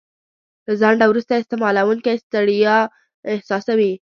له ځنډه وروسته استعمالوونکی ستړیا احساسوي.